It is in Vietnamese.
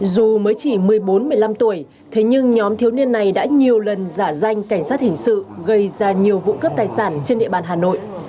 dù mới chỉ một mươi bốn một mươi năm tuổi thế nhưng nhóm thiếu niên này đã nhiều lần giả danh cảnh sát hình sự gây ra nhiều vụ cướp tài sản trên địa bàn hà nội